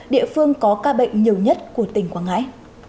địa phương có ca bệnh nhiều nhất của tỉnh quảng ngãi